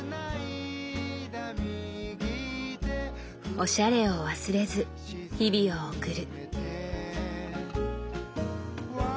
おしゃれを忘れず日々を送る。